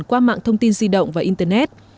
qua mạng thông tin di động và internet